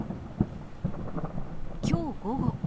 きょう午後。